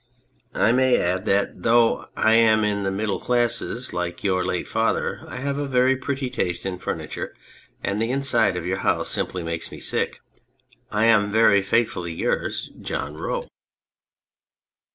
I may add that though I am of the middle classes, like your late father, I have a very pretty taste in furniture, and the inside of your house simply makes me sick. I am, Very faithfully yours, JOHN ROE.